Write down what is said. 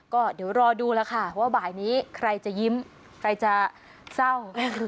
ก็เดี๋ยวรอดูแล้วค่ะว่าบ่ายนี้ใครจะยิ้มใครจะเศร้า